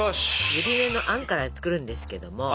ゆり根のあんから作るんですけども。